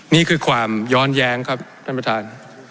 นี่คือความย้อนแย้งครับท่านประธาน